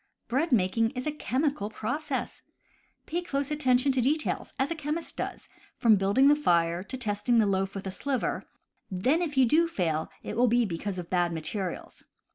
Bread making is a chemical process. Pay close attention to details, as a chemist does, from building the fire to testing the loaf with a sliver; then if you do fail it will be because of bad materials.